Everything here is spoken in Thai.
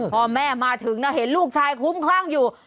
พอแม่มาถึงนะเห็นลูกชายคุ้มคลั่งอยู่